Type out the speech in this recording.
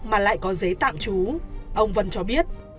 bà lại có giấy tạm chú ông vân cho biết